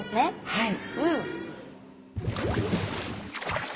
はい。